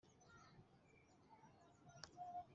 ko namwe mwese musome iyi nyandiko